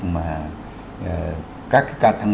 mà các ca tăng